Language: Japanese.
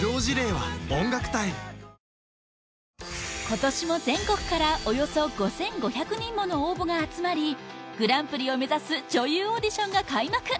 今年も全国からおよそ５５００人もの応募が集まりグランプリを目指す女優オーディションが開幕